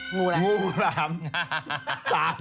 งูอะไรงูหลาม